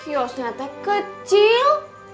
kiosknya tepung kecil